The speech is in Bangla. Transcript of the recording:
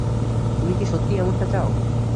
তুমি কি সত্যিই এমনটা চাও?